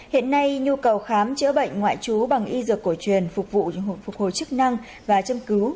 hiện nay nhu cầu khám chữa bệnh ngoại trú bằng y dược cổ truyền phục vụ phục hồi chức năng và châm cứu